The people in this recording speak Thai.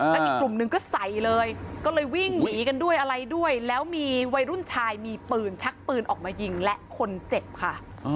แล้วอีกกลุ่มหนึ่งก็ใส่เลยก็เลยวิ่งหนีกันด้วยอะไรด้วยแล้วมีวัยรุ่นชายมีปืนชักปืนออกมายิงและคนเจ็บค่ะ